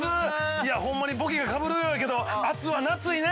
いや、ほんまにボケがかぶるようやけど、暑は夏いね。